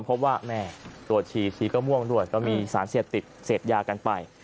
แม่ตรวจชีชีก็ม่วงด้วยก็มีสารเสพติดเสพยากันไป